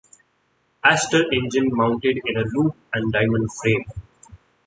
Aster engine mounted in a 'loop and diamond' frame.